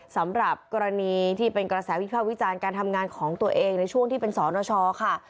สำหรับกรณีที่เป็นกระแสวิภาควิจารณ์การทำงานของตัวเองในช่วงที่เป็นสรณชอค่ะ